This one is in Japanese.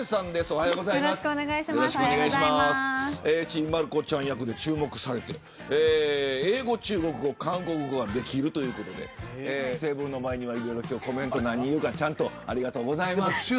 ちびまる子ちゃん役で注目されて英語、中国語、韓国語ができるということでテーブルの前にはいろいろコメント何を言うかちゃんとありがとうございます。